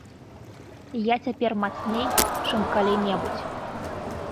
Я цяпер мацней, чым калі-небудзь.